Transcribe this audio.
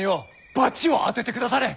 バチを当ててくだされ！